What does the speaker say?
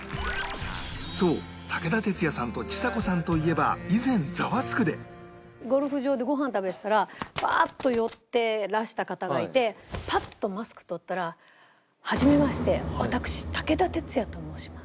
そう武田鉄矢さんとちさ子さんといえば以前『ザワつく！』でゴルフ場でご飯食べてたらパーッと寄ってらした方がいてパッとマスク取ったら「はじめまして私武田鉄矢と申します」。